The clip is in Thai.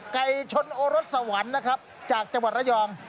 ไกชนโอรสวรรค์จากจังหวัดเรยอง